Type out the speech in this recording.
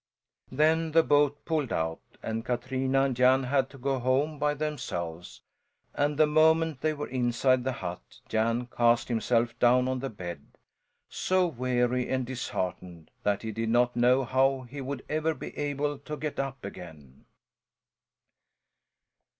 Then the boat pulled out and Katrina and Jan had to go home by themselves, and the moment they were inside the hut Jan cast himself down on the bed so weary and disheartened that he did not know how he would ever be able to get up again.